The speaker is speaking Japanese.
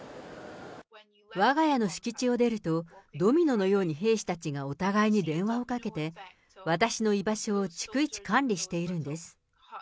わが家の敷地を出ると、ドミノのように兵士たちがお互いに電話をかけて、私の居場所を逐一管理しているんです。